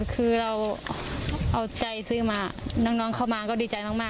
คือเราเอาใจซื้อมาน้องเข้ามาก็ดีใจมาก